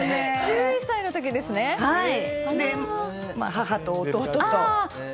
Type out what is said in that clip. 母と弟と。